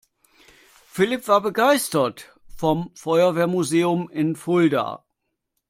Philipp war begeistert vom Feuerwehrmuseum in Fulda.